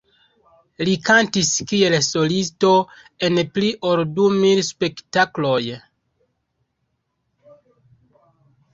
Li kantis kiel solisto en pli ol du mil spektakloj.